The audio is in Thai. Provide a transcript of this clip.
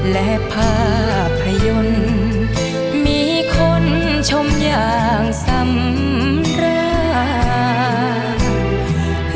และภาพยนตร์มีคนชมอย่างซ้ำตรา